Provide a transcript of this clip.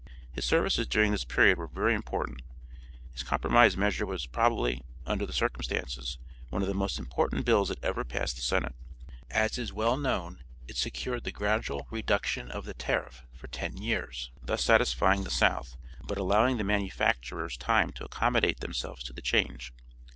His services during this period were very important. His compromise measure was probably, under the circumstances, one of the most important bills that ever passed the senate. As is well known, it secured the gradual reduction of the tariff for ten years, thus satisfying the South, but allowing the manufacturers time to accommodate themselves to the change.